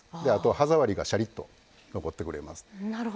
歯触りがしゃりっと残ってくれます。